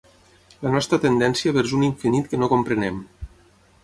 La nostra tendència vers un infinit que no comprenem.